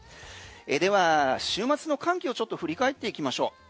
では週末の寒気をちょっと振り返っていきましょう。